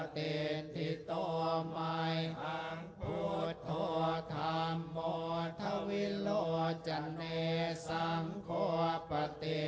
ทิตามัยทางพู่โทษธามโหมธวิโลจันเนสังโคปฤต